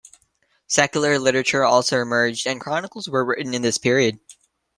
Secular literature also emerged and chronicles were written in this period.